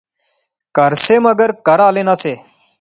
کہھر سے مگر کہھر آلے نہسے